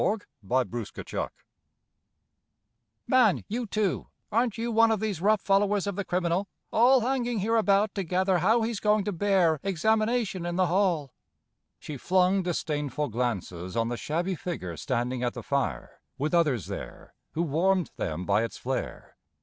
IN THE SERVANTS' QUARTERS "MAN, you too, aren't you, one of these rough followers of the criminal? All hanging hereabout to gather how he's going to bear Examination in the hall." She flung disdainful glances on The shabby figure standing at the fire with others there, Who warmed them by its flare.